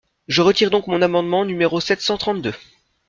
Je retire donc mon amendement numéro sept cent trente-deux.